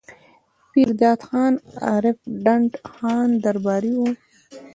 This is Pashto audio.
پير داد خان عرف ډنډ خان درباري وو